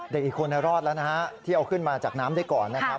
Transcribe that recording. เด็กอีกคนรอดแล้วที่เอาขึ้นมาจากน้ำได้ก่อน